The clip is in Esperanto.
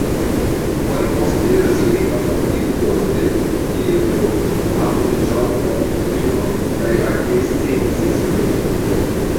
Oni konsideras lin la fondinto de komputiko apud John von Neumann kaj aliaj sciencistoj.